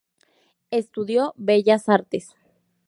Estudió Bellas Artes.